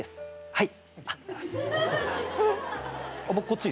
はい。